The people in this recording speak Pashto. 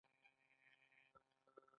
دا راپور د هیواد د تقنیني اسنادو په اساس وي.